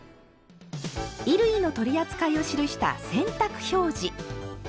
衣類の取り扱いを記した「洗濯表示」。